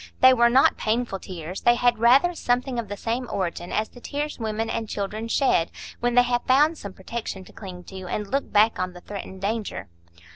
They were not painful tears; they had rather something of the same origin as the tears women and children shed when they have found some protection to cling to and look back on the threatened danger.